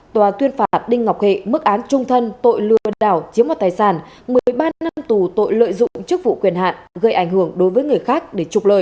tòa tuyên phạt đinh ngọc hệ mức án trung thân tội lừa đảo chiếm mặt tài sản một mươi ba năm tù tội lợi dụng chức vụ quyền hạn gây ảnh hưởng đối với người khác để trục lợi